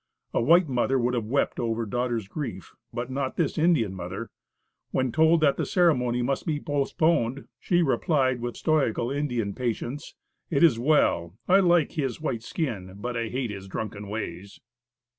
A white mother would have wept over daughter's grief, but not this Indian mother. When told that the ceremony must be postponed, she replied with stoical Indian patience: "It is well; I like his white skin; but I hate his drunken ways."